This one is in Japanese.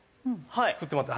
振ってもらって。